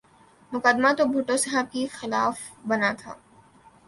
مقدمہ تو بھٹو صاحب کے خلاف بنا تھا۔